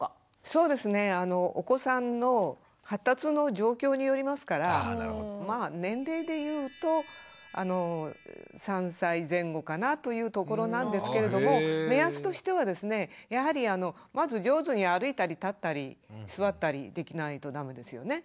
そうですねお子さんの発達の状況によりますからまあ年齢で言うと３歳前後かなというところなんですけれども目安としてはですねやはりまず上手に歩いたり立ったり座ったりできないと駄目ですよね。